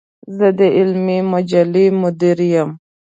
زۀ د علمي مجلې مدير يم.